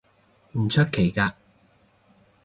唔出奇嘅